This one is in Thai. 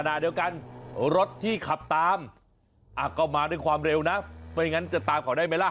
ขณะเดียวกันรถที่ขับตามอ่ะก็มาด้วยความเร็วนะไม่งั้นจะตามเขาได้ไหมล่ะ